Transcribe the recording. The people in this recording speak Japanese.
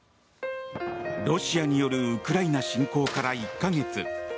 ロシアによるウクライナ侵攻から１か月。